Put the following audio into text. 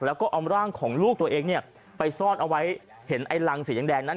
แล้วก็เอาร่างของลูกตัวเองเนี่ยไปซ่อนเอาไว้เห็นไอ้รังสีแดงนั้น